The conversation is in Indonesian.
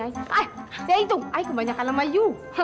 ayah ya itu ayah kebanyakan nama you